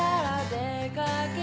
「出かけま」